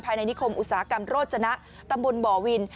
ในนิคมอุตสาหกรรมโรจนะตำบลบ่อวิน